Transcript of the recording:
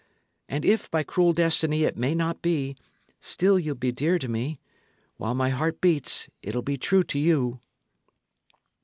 And if, by cruel destiny, it may not be, still ye'll be dear to me. While my heart beats, it'll be true to you."